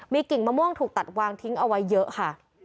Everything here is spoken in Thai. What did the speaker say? มีกิ่งมะม่วงถูกตัดวางทิ้งเอาไว้เยอะค่ะ